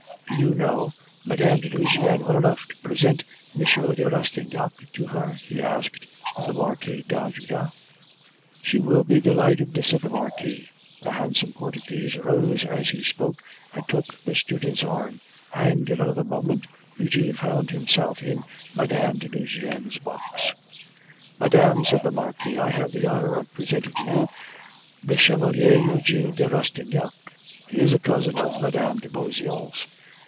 "Do you know Mme. de Nucingen well enough to present M. de Rastignac to her?" she asked of the Marquis d'Ajuda. "She will be delighted," said the Marquis. The handsome Portuguese rose as he spoke and took the student's arm, and in another moment Eugene found himself in Mme. de Nucingen's box. "Madame," said the Marquis, "I have the honor of presenting to you the Chevalier Eugene de Rastignac; he is a cousin of Mme. de Beauseant's.